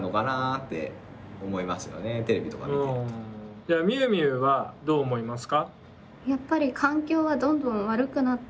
じゃあみゆみゆはどう思いますか？